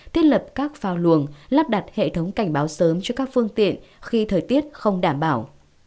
thiết lập các phao luồng lắp đặt hệ thống cảnh báo sớm cho các phương tiện khi thời tiết không đảm bảo